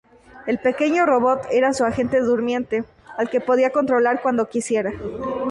El pequeño robot era su agente durmiente, al que podía controlar cuando quisiera.